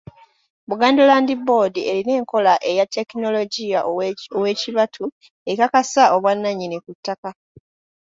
Buganda Land Board erina enkola eya ttekinologiya ow’ekibatu ekakasa obwannannyini ku ttaka.